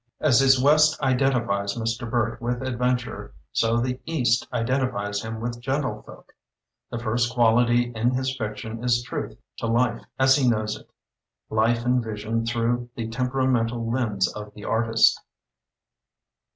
As his west identifies Mr. Burt with adventure, so the east identifies him with gentlefolk. The first quality in his fiction is truth to life as he knows it, life envisioned through the temperamental lens of the artist.